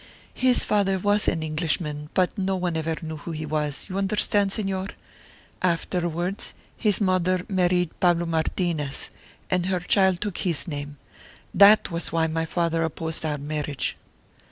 "His father was an Englishman, but no one ever knew who he was, you understand, Señor? Afterwards his mother married Pablo Martinez, and her child took his name. That was why my father opposed our marriage."